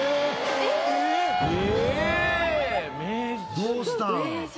どうしたん？